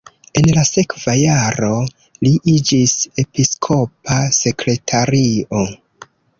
En la sekva jaro li iĝis episkopa sekretario.